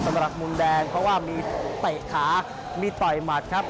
สำหรับมุมแดงเพราะว่ามีเตะขามีต่อยหมัดครับ